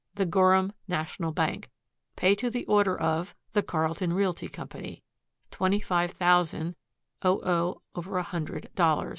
THE GORHAM NATIONAL BANK Pay to the order of... The Carlton Realty Co. Twenty five Thousand 00/100.........